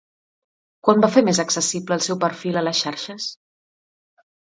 Quan va fer més accessible el seu perfil a les xarxes?